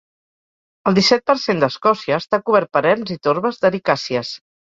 El disset per cent d'Escòcia està cobert per erms i torbes d'ericàcies.